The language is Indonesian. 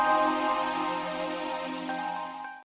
hanya doa keadaan kinu